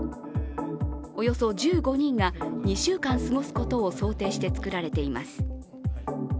およそ１５人が２週間過ごすことを想定して造られています。